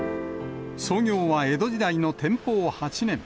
創業は江戸時代の天保８年。